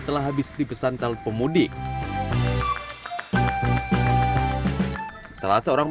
jelang lebaran jasa sewap kering